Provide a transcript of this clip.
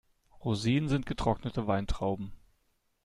Rosinen sind getrocknete Weintrauben.